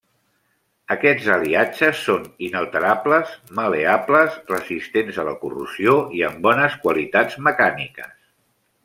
Aquests aliatges són inalterables, mal·leables, resistents a la corrosió i amb bones qualitats mecàniques.